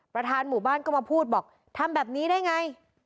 ประธานหมู่บ้านก็มาพูดบอกทำแบบนี้ได้ไง